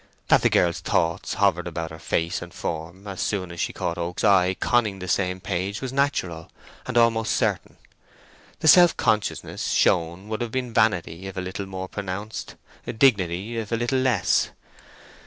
That the girl's thoughts hovered about her face and form as soon as she caught Oak's eyes conning the same page was natural, and almost certain. The self consciousness shown would have been vanity if a little more pronounced, dignity if a little less.